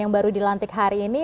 yang baru dilantik hari ini